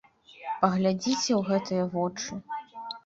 Паглядзіце ў гэтыя вочы!